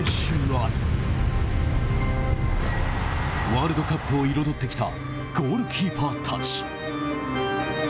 ワールドカップを彩ってきたゴールキーパーたち。